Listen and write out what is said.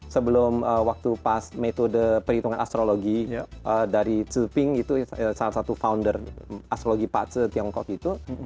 sebelum waktu pas metode perhitungan astrologi dari tzu ping itu salah satu founder astrologi pak tse tiongkok itu